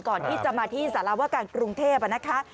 ก่อนที่จะมาที่สารวการกรุงเทพนะคะ